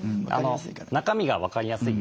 中身が分かりやすい。